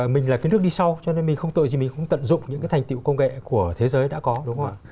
mình là cái nước đi sau cho nên mình không tội gì mình không tận dụng những cái thành tiệu công nghệ của thế giới đã có đúng không ạ